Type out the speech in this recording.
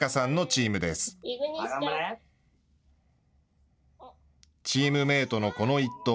チームメートのこの一投。